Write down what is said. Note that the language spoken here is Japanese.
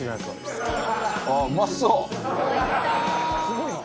すごいな！